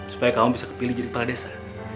supaya kamu bisa kepilih jadi kepala desa